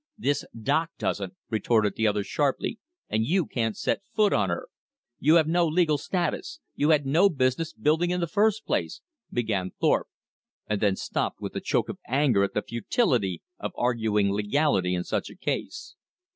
"This dock doesn't," retorted the other sharply, "and you can't set foot on her." "You have no legal status. You had no business building in the first place " began Thorpe, and then stopped with a choke of anger at the futility of arguing legality in such a case.